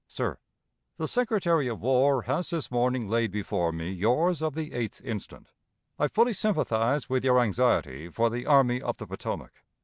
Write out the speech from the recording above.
"Sir: The Secretary of War has this morning laid before me yours of the 8th instant. I fully sympathize with your anxiety for the Army of the Potomac.